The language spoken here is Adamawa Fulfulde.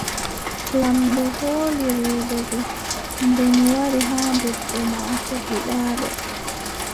Laamɗo hooli rewɓe go, nden wari haa debbo maako giɗaaɗo.